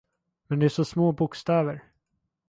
Men det är så små bokstäver.